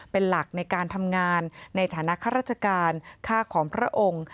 เป็นหลักในการทำงานในฐานะข้าราชการค่าของพระองค์